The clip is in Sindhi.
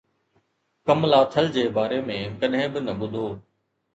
ڪملاٿل جي باري ۾ ڪڏهن به نه ٻڌو